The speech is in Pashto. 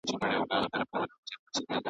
لومړۍ خښته کږه وه، دا ماڼۍ به را نړېږي .